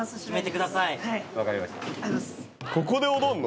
ここで踊んの？